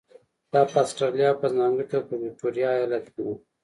دا په اسټرالیا او په ځانګړې توګه په ویکټوریا ایالت کې وو.